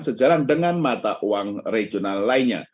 sejalan dengan mata uang regional lainnya